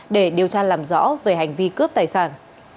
để điều tra làm rõ về hành vi cướp tài sản